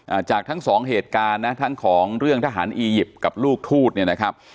จากทั้งสองเหตุการณ์นะทั้งของเรื่องทหารอียิปต์กับลูกทูตเนี่ยนะครับ